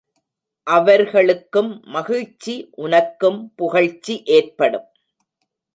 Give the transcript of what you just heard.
அவர்களுக்கும் மகிழ்ச்சி உனக்கும் புகழ்ச்சி ஏற்படும்.